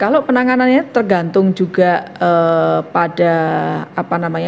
kalau penanganannya tergantung juga pada apa namanya